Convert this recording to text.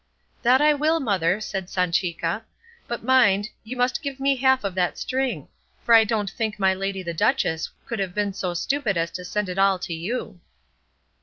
"That I will, mother," said Sanchica; "but mind, you must give me half of that string; for I don't think my lady the duchess could have been so stupid as to send it all to you."